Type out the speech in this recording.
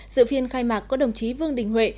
dự phiên khai mạc có đồng chí vương đình huệ